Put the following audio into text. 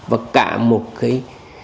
và cả một cái